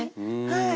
はい。